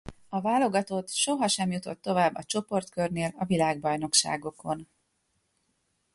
A válogatott soha sem jutott tovább a csoportkörnél a világbajnokságokon.